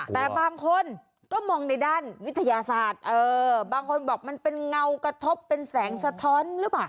แต่บางคนก็มองในด้านวิทยาศาสตร์บางคนบอกมันเป็นเงากระทบเป็นแสงสะท้อนหรือเปล่า